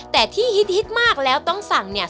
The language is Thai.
แต่ที่ฮิตมากแล้วต้องสั่งเนี่ย